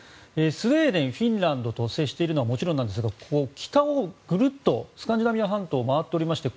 スウェーデン、フィンランドと接しているのはもちろんなんですが北をグルッとスカンディナビア半島を回っていまして